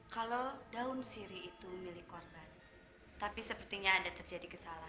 kalau daun siri itu milik korban tapi sepertinya ada terjadi kesalahan